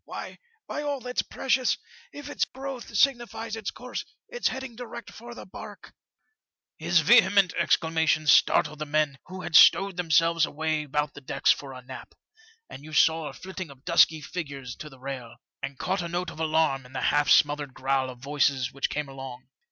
Why, by all that's precious ! if its growth signifies its course, it's heading direct for the barque.' "His vehement exclamations startled the men who had stowed themselves away about the decks for a nap, and you saw a flitting of dusky figures to the rail, and 80 FOUL OF A WATERSPOUT. caught a note of alarm in the half smothered growl of voices which came along.